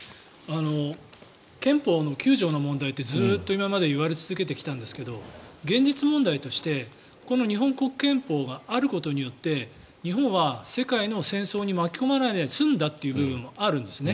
憲法９条の問題ってずっと今まで言われ続けてきたんですが現実問題として日本国憲法があることによって日本は世界の戦争に巻き込まれないで済んだという部分もあると思うんですね。